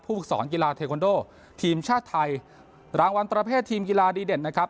ฝึกสอนกีฬาเทควันโดทีมชาติไทยรางวัลประเภททีมกีฬาดีเด่นนะครับ